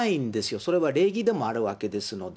それは礼儀でもあるわけですので。